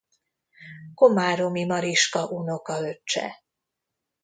Komáromi Mariska unokaöccse.